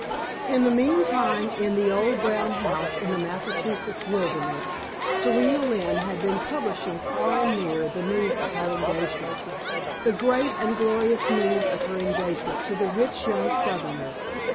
In the meantime, in the old brown house in the Massachusetts wilderness, Serena Lynne had been publishing far and near the news of her engagement the great and glorious news of her engagement to the rich young Southerner.